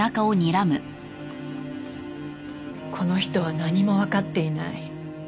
この人は何もわかっていない。